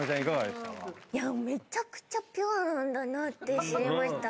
いや、めちゃくちゃピュアなんだなって知りました。